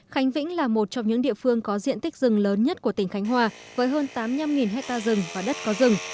khánh vĩnh là một trong những địa phương có diện tích rừng lớn nhất của tỉnh khánh hòa với hơn tám mươi năm hectare rừng và đất có rừng